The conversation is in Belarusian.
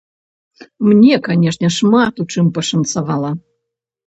Мне, канешне, шмат у чым пашанцавала.